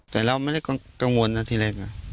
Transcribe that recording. แต่เราไม่ได้กังวลนะทีแรก